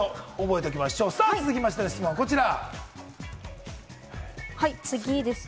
続いての質問は、こちら。